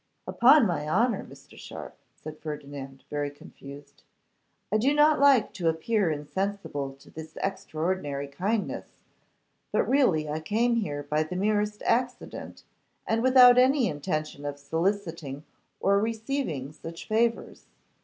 'Upon my honour, Mr. Sharpe,' said Ferdinand, very confused, 'I do not like to appear insensible to this extraordinary kindness, but really I came here by the merest accident, and without any intention of soliciting or receiving such favours.